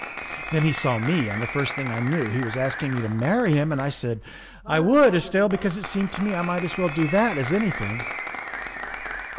Then he saw me, and the first thing I knew he was asking me to marry him, and I said I would, Estelle, because it seemed to me I might as well do that as anything."